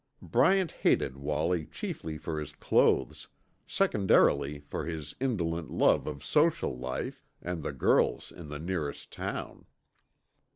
Bryant hated Wallie chiefly for his clothes, secondarily for his indolent love of social life and the girls in the nearest town.